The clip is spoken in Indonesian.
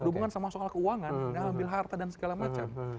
berhubungan sama soal keuangan ngambil harta dan segala macam